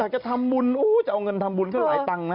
จะทำบุญจะเอาเงินทำบุญก็หลายตังค์นะ